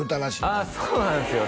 あそうなんですよ